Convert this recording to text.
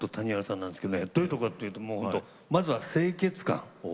どういうところかっていうとまずは清潔感。